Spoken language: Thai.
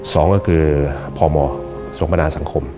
สองก็คือพมสมพนาสังคม